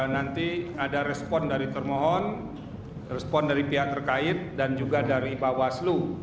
nanti ada respon dari termohon respon dari pihak terkait dan juga dari bawaslu